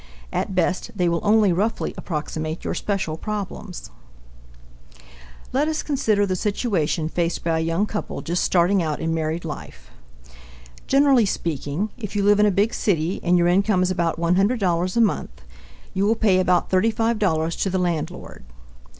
At best they will only roughly approximate your special problems. Let us consider the situation faced by a young couple just starting out in married life. Generally speaking, if you live in a big city and your income is about $100 a month, you will pay about $35 to the landlord.